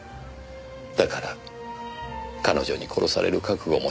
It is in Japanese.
だから彼女に殺される覚悟もしましたか。